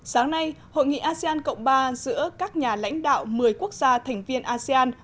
sáng nay hội nghị asean cộng ba giữa các nhà lãnh đạo một mươi quốc gia thành viên asean